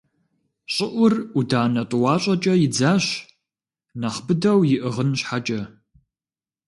ЩӀыӀур Ӏуданэ тӀуащӀэкӀэ издащ нэхъ быдэу иӀыгъын щхьэкӀэ.